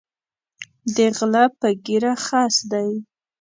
د غلۀ پۀ ږیره خس دی